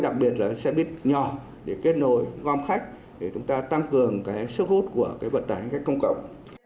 đặc biệt là xe buýt nhỏ để kết nối gom khách để chúng ta tăng cường cái sức hút của vận tải hành khách công cộng